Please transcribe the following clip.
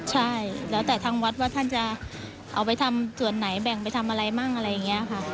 ใช่แล้วแต่ทางวัดว่าท่านจะเอาไปทำส่วนไหนแบ่งไปทำอะไรมั่งอะไรอย่างนี้ค่ะ